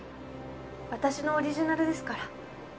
私のオリジナルですから。